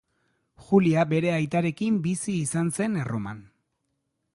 Julia bere aitarekin bizi izan zen Erroman.